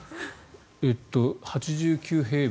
８９平米。